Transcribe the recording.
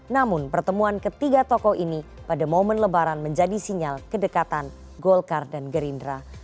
namun pertemuan ketiga tokoh ini pada momen lebaran menjadi sinyal kedekatan golkar dan gerindra